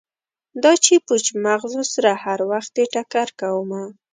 دا چې پوچ مغزو سره هروختې ټکر کومه